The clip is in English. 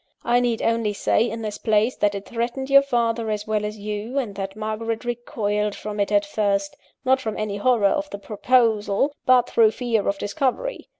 I need only say, in this place, that it threatened your father as well as you, and that Margaret recoiled from it at first not from any horror of the proposal, but through fear of discovery.